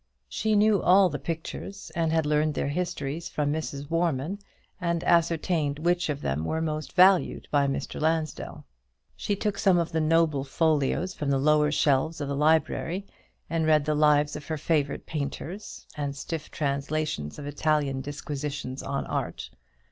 She knew all the pictures, and had learned their histories from Mrs. Warman, and ascertained which of them were most valued by Mr. Lansdell. She took some of the noble folios from the lower shelves of the library, and read the lives of her favourite painters, and stiff translations of Italian disquisitions on art.